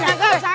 jangan lari kamu